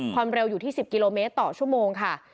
ความเร็วอยู่ที่๑๐กิโลเมตรต่อชั่วโมงค่ะ